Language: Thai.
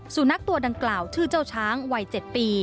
สุนัขตัวดังกล่าวชื่อเจ้าช้างวัย๗ปี